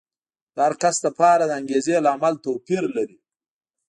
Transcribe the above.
د هر کس لپاره د انګېزې لامل توپیر لري.